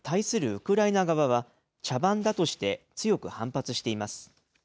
ウクライナ側は、茶番だとして、強く反発しています。